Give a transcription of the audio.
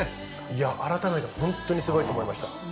改めてホントにすごいと思いました。